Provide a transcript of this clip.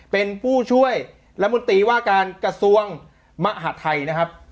เป็นผู้ช่วยรัฐมนตรีว่าการกระทรวงมหาดไทยนะครับ